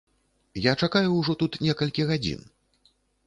Я чакаю ўжо тут некалькі гадзін.